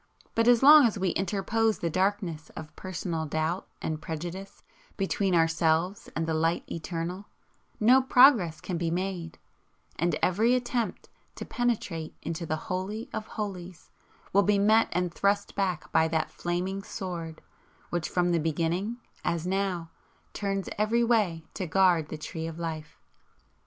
But as long as we interpose the darkness of personal doubt and prejudice between ourselves and the Light Eternal no progress can be made, and every attempt to penetrate into the Holy of Holies will be met and thrust back by that 'flaming Sword' which from the beginning, as now, turns every way to guard the Tree of Life.